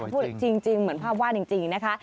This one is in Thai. พูดจริงเหมือนภาพวาดจริงนะคะ